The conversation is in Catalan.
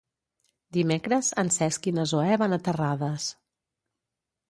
Dimecres en Cesc i na Zoè van a Terrades.